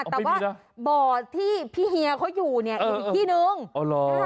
อ๋อไม่มีนะแต่ว่าบ่อที่พี่เฮียเขาอยู่เนี้ยเออที่นึงอ๋อหรอ